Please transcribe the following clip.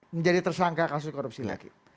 menjadi tersangka kasus korupsi laki laki